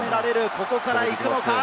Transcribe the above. ここから行くのか？